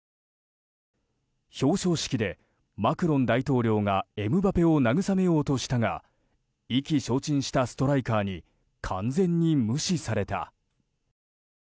表彰式でマクロン大統領がエムバペを慰めようとしたが意気消沈したストライカーに完全に無視された。